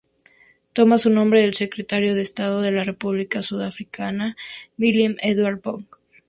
Toma su nombre del Secretario de Estado de la República Sudafricana, Willem Eduard Bok.